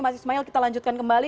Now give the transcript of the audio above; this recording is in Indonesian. mas ismail kita lanjutkan kembali